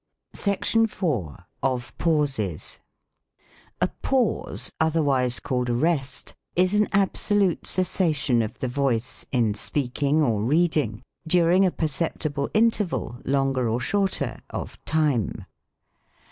SECTION IV. OF PAUSES. A Pause, otherwise called a rest, is an absolute ces sation of the voice, in speaking or reading, during a perceptible interval, longer or shorter, of time.